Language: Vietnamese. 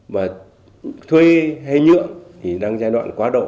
và thuê hay nhượng thì đang giai đoạn quá độ